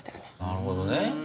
なるほどね。